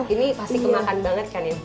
ini pasti kemakan banget kan ya bu